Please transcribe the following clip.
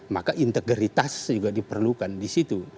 maka integritas juga diperlukan di situ